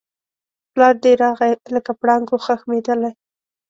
پلار دی راغی لکه پړانګ وو خښمېدلی